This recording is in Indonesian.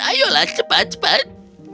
ayolah cepat cepat